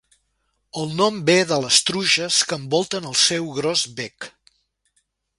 El nom ve de les truges que envolten el seu gros bec.